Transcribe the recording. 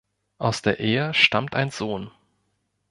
Aus der Ehe stammt ein Sohn.